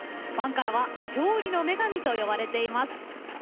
ファンからは「勝利の女神」と呼ばれています。